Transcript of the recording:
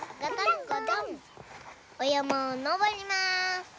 おやまをのぼります。